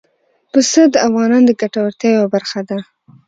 پسه د افغانانو د ګټورتیا یوه برخه ده.